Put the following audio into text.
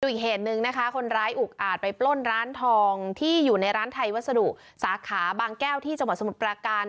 อีกเหตุหนึ่งนะคะคนร้ายอุกอาจไปปล้นร้านทองที่อยู่ในร้านไทยวัสดุสาขาบางแก้วที่จังหวัดสมุทรปราการ